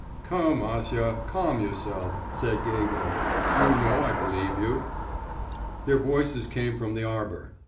'Come, Acia, calm yourself,' said Gagin; 'you know I believe you.' Their voices came from the arbour.